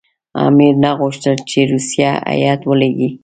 امیر نه غوښتل چې روسیه هېئت ولېږي.